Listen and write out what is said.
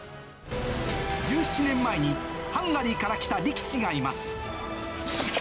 １７年前にハンガリーから来た力士がいます。